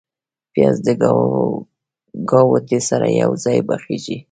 پیاز د ګاوتې سره یو ځای پخیږي